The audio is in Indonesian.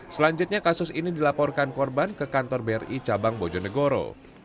selanjutnya kasus ini dilaporkan korban ke kantor bri cabang bojonegoro